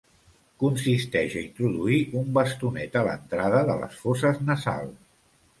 Consisteix a introduir un bastonet a l'entrada de les fosses nasals.